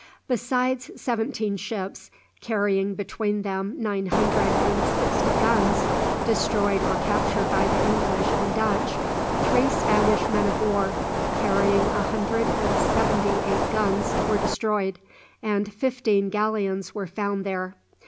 Besides seventeen ships, carrying between them nine hundred and sixty guns, destroyed or captured by the English and Dutch, three Spanish men of war, carrying a hundred and seventy eight guns, were destroyed, and fifteen galleons were found there.